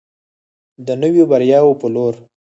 د نویو بریاوو په لور.